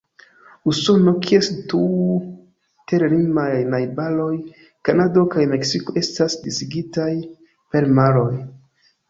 Usono, kies du ter-limaj najbaroj, Kanado kaj Meksiko, estas disigitaj per maroj.